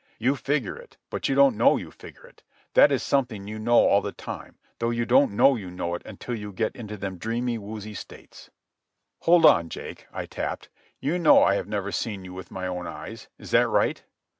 You figure it, but you don't know you figure it—that is something you know all the time, though you don't know you know it until you get into them dreamy, woozy states." "Hold on, Jake," I tapped. "You know I have never seen you with my own eyes. Is that right?"